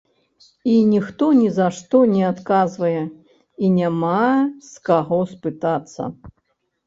І ніхто ні за што не адказвае, і няма з каго спытацца.